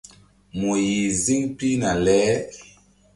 Mu yih ziŋ pihna le.